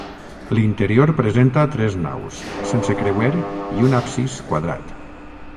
L'interior presenta tres naus, sense creuer i un absis quadrat.